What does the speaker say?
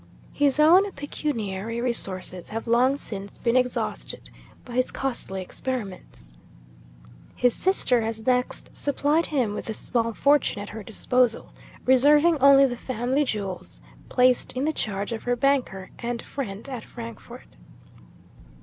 His own pecuniary resources have long since been exhausted by his costly experiments. His sister has next supplied him with the small fortune at her disposal: reserving only the family jewels, placed in the charge of her banker and friend at Frankfort.